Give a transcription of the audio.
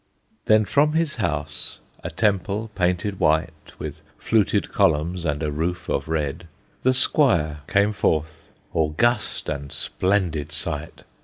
Then from his house, a temple painted white, With fluted columns, and a roof of red, The Squire came forth, august and splendid sight!